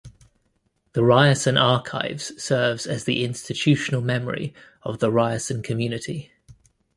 The Ryerson Archives serves as the institutional memory of the Ryerson community.